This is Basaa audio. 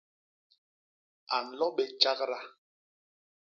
A nlo bé tjagda.